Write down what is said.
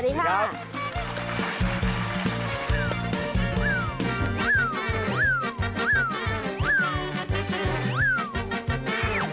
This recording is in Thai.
สวัสดีค่ะ